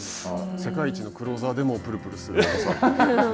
世界一のクローザーでもぷるぷるする重さ。